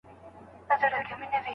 هغه خلک چې سخاوت کوي د الله دوستان دي.